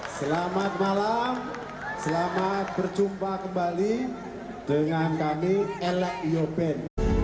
selamat malam selamat berjumpa kembali dengan kami elek yoben